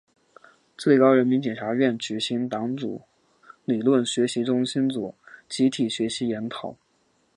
最高人民检察院举行党组理论学习中心组集体学习研讨